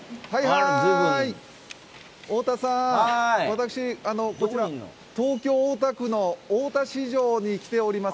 私こちら東京・大田区の大田市場に来ております。